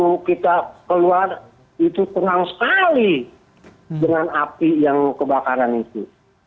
waktu kita keluar itu tenang sekali dengan api yang kebakaran itu